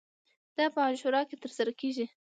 دا په عاشورا کې ترسره کیږي.